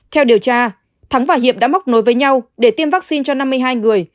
theo điều tra thắng và hiệp đã móc nối với nhau để tiêm vaccine cho năm mươi hai người